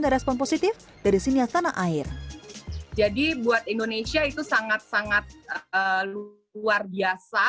dan respon positif dari sinias tanah air jadi buat indonesia itu sangat sangat luar biasa